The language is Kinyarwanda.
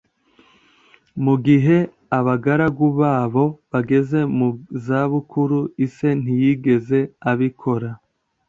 Mugihe abagaragu babo bageze mu za bukuru, ise ntiyigeze abikora.